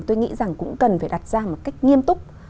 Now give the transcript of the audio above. tôi nghĩ rằng cũng cần phải đặt ra một cách nghiêm túc